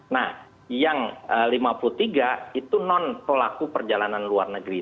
nah yang lima puluh tiga itu non pelaku perjalanan luar negeri